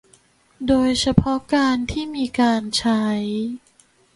โดยเฉพาะการที่มีการใช้